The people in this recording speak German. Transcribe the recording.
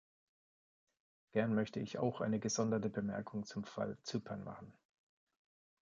Gern möchte ich auch eine gesonderte Bemerkung zum Fall Zypern machen.